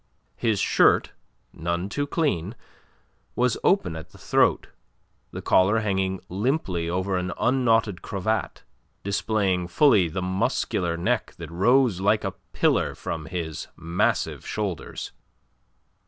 His shirt, none too clean, was open at the throat, the collar hanging limply over an unknotted cravat, displaying fully the muscular neck that rose like a pillar from his massive shoulders.